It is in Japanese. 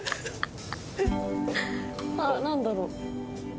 あっなんだろう？